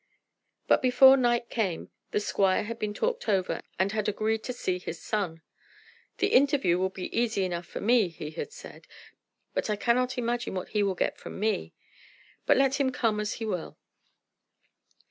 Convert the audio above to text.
But before night came the squire had been talked over, and had agreed to see his son. "The interview will be easy enough for me," he had said, "but I cannot imagine what he will get from me. But let him come as he will."